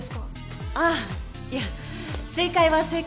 ああいや正解は正解だよ。